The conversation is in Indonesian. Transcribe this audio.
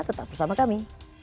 tetap bersama kami